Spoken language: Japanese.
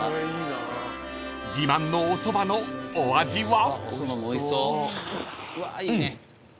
［自慢のおそばのお味は？］